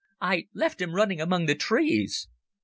I left him running among the trees."